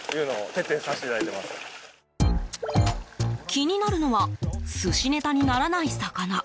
気になるのは寿司ネタにならない魚。